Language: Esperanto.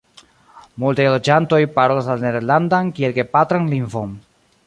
Multaj loĝantoj parolas la nederlandan kiel gepatran lingvon.